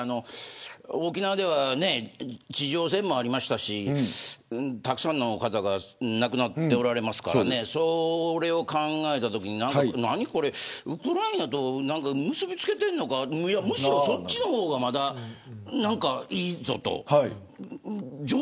沖縄では地上戦もありましたしたくさんの方が亡くなっておられますからそれを考えたときにウクライナと結び付けているのかむしろそっちの方がまだいいぞと。